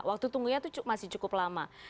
waktu tunggu nya itu masih cukup lama